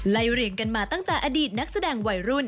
เรียงกันมาตั้งแต่อดีตนักแสดงวัยรุ่น